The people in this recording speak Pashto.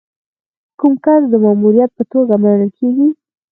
کوم کس د مامور په توګه منل کیږي؟